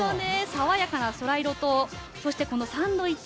爽やかな空色とサンドイッチ